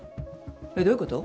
えっどういうこと？